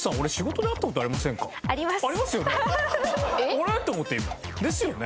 あれ？と思って今。ですよね？